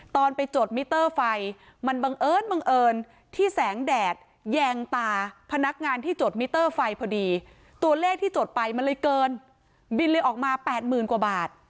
ตอนไปจดมิเตอร์ไฟมันบังเอิญบังเอิญที่แสงแดดแยงตาพนักงานที่จดมิเตอร์ไฟพอดีตัวเลขที่จดไปมันเลยเกินบินเลยออกมาแปดหมื่นกว่าบาท